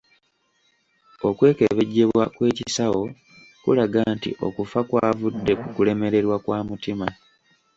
Okwekebejjebwa kw'ekisawo kulaga nti okufa kw'avudde ku kulemererwa kwa mutima.